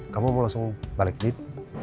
kamu mau langsung balik jeep